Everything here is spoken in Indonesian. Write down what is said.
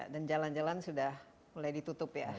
dan jalan jalan sudah mulai ditutup ya